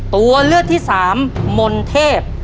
ตัวเลือดที่๓มนเทพ